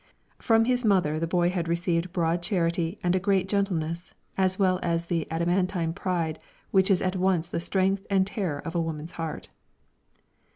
From his mother the boy had received broad charity and a great gentleness, as well as the adamantine pride which is at once the strength and terror of a woman's heart.